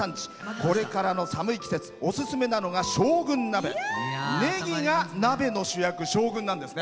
これからの寒い季節オススメなのが将軍鍋ネギが鍋の主役将軍なんですね。